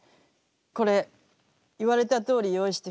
これ言われたとおり用意してきた。